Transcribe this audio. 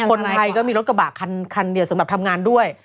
คนไทยก็มีรถกระบะคันเดียวสำหรับทำงานด้วย